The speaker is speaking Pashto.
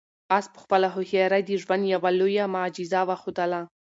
آس په خپله هوښیارۍ د ژوند یوه لویه معجزه وښودله.